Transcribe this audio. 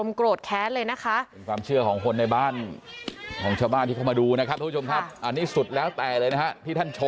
นั่นแหละเห้ยเมื่อกินว่าก้าวแสงก็กลายงานอีกแล้วกัน